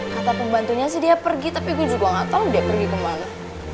kata pembantunya sih dia pergi tapi gue juga gak tau dia pergi kemana